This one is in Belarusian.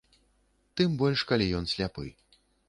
Тым больш, калі ён сляпы.